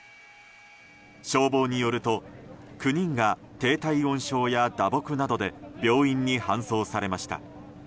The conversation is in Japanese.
消防によると９人が低体温症や打撲などで病院に搬送されました。